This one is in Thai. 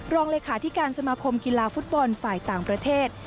รองเลขาธิการสมาคมกีฬาฟุตบอลฝ่ายต่างประเทศ